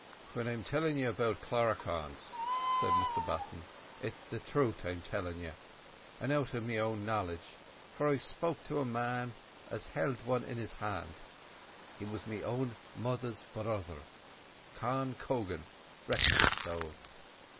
"Whin I'm tellin' you about Cluricaunes," said Mr Button, "it's the truth I'm tellin' you, an' out of me own knowlidge, for I've spoken to a man that's held wan in his hand; he was me own mother's brother, Con Cogan—rest his sowl!